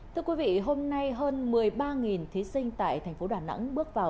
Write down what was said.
thưa quý vị hôm nay hơn một mươi ba thí sinh tại tp đà nẵng bước vào